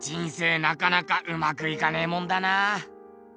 なかなかうまくいかねえもんだな。